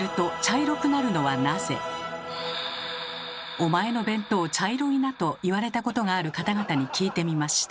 「お前の弁当茶色いな」と言われたことがある方々に聞いてみました。